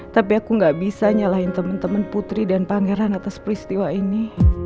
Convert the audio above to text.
tapi aku gak bisa nyalahin teman teman putri dan pangeran atas peristiwa ini